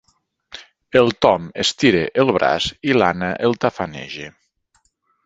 El Tom estira el braç i l'Anna el tafaneja.